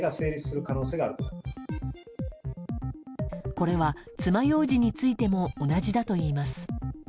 これは爪ようじについても同じだといいます。